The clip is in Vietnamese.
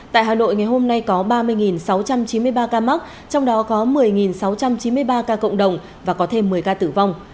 tại hà nội ngày hôm nay có ba mươi sáu trăm chín mươi ba ca mắc trong đó có một mươi sáu trăm chín mươi ba ca cộng đồng và có thêm một mươi ca tử vong